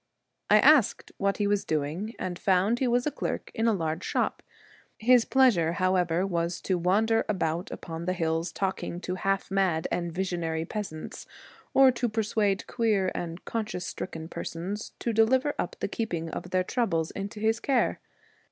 I asked what he was doing, and found he was clerk in a large shop. His plea sure, however, was to wander about upon the hills, talking to half mad and visionary 16 peasants, or to persuade queer and con A .,,,., Visionary. science stricken persons to deliver up the keeping of their troubles into his care.